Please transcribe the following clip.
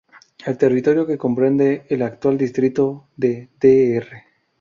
El territorio que comprende el actual distrito de Dr.